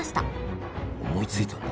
思いついたんだ。